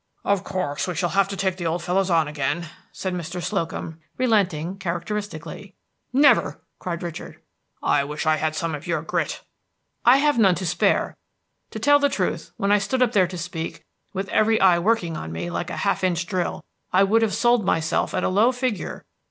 "Of course we shall have to take the old fellows on again," said Mr. Slocum, relenting characteristically. "Never!" cried Richard. "I wish I had some of your grit." "I have none to spare. To tell the truth, when I stood up there to speak, with every eye working on me, like a half inch drill, I would have sold myself at a low figure."